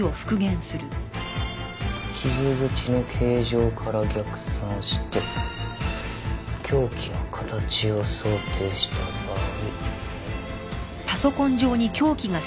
傷口の形状から逆算して凶器の形を想定した場合。